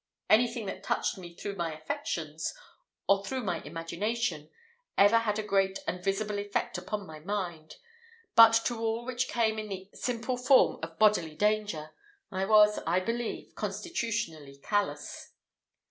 Anything that touched me through my affections, or through my imagination, ever had a great and visible effect upon my mind; but to all which came in the simple form of bodily danger, I was, I believe, constitutionally callous.